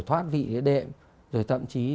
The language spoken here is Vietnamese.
thoát vị cái đệm rồi thậm chí